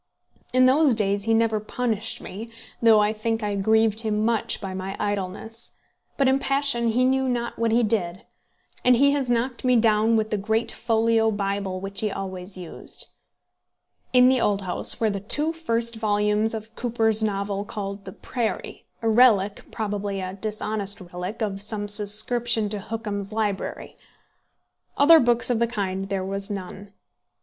In those days he never punished me, though I think I grieved him much by my idleness; but in passion he knew not what he did, and he has knocked me down with the great folio Bible which he always used. In the old house were the two first volumes of Cooper's novel, called The Prairie, a relic probably a dishonest relic of some subscription to Hookham's library. Other books of the kind there was none.